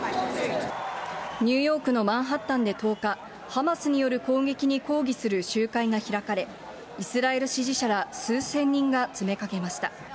ニューヨークのマンハッタンで１０日、ハマスによる攻撃に抗議する集会が開かれ、イスラエル支持者ら数千人が詰めかけました。